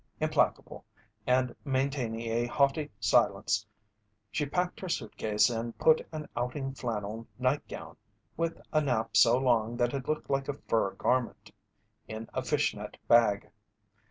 Implacable, and maintaining a haughty silence, she packed her suitcase and put an outing flannel nightgown with a nap so long that it looked like a fur garment in a fishnet bag.